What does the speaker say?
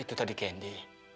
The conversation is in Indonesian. itu tadi candy